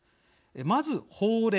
まず、法令。